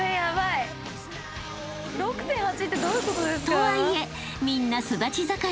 ［とはいえみんな育ち盛り］